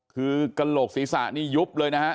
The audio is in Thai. คือกระโหลกศีรษะนี่ยุบเลยนะฮะ